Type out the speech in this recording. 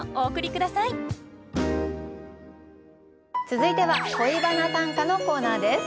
続いては「恋バナ短歌」のコーナーです。